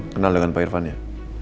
kenal dengan pak irfan ya